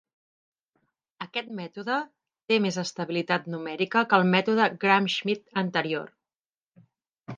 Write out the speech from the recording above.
Aquest mètode té més estabilitat numèrica que el mètode Gram-Schmidt anterior.